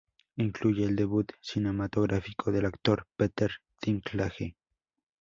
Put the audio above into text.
Incluye el debut cinematográfico del actor Peter Dinklage.